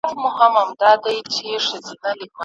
ما پردی ملا لیدلی په محراب کي ځړېدلی